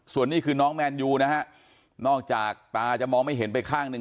ส่วนนี้คือน้องแมนยูนะฮะนอกจากตาจะมองไม่เห็นไปข้างหนึ่ง